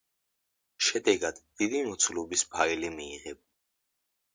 შედეგად დიდი მოცულობის ფაილი მიიღება.